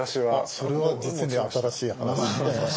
それは実に新しい話。